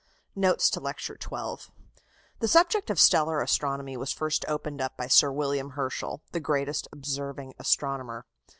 NOTES TO LECTURE XII The subject of stellar astronomy was first opened up by Sir William Herschel, the greatest observing astronomer.